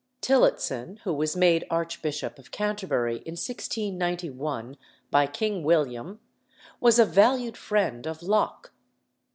Tillotson, who was made Archbishop of Canterbury in 1691 by King William, was a valued friend of Locke.